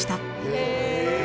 へえ。